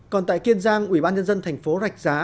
còn tại kiên giang ubnd tp rạch giá